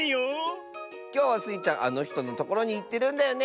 きょうはスイちゃんあのひとのところにいってるんだよね！